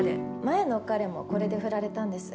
前の彼もこれで振られたんです。